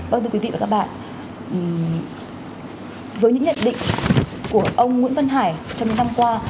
vâng thưa quý vị và các bạn với những nhận định của ông nguyễn văn hải trong những năm qua